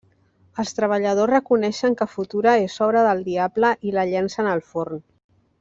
Els Treballadors reconeixen que Futura és obra del diable i la llencen al forn.